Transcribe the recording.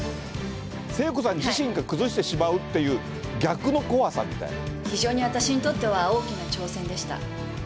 聖子さん自身が崩してしまうっていう、非常に私にとっては、大きな挑戦でした。